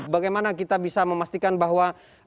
bagaimana kita bisa memastikan bahwa